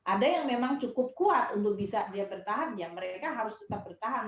ada yang memang cukup kuat untuk bisa dia bertahan ya mereka harus tetap bertahan